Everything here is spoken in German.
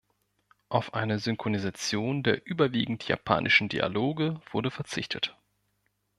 Auf eine Synchronisation der überwiegend japanischen Dialoge wurde verzichtet.